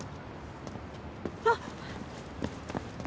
あっ！